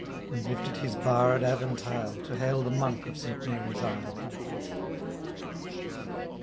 And lifted his haired arentayle,' To hail the Monk of St Mary's aisle. IV.